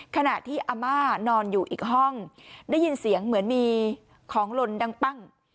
ขณะที่อาม่านอนอยู่อีกห้องได้ยินเสียงเหมือนมีของลนดังปั้ง